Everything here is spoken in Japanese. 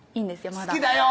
まだ「好きだよ！」